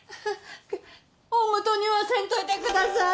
大ごとにはせんといてください。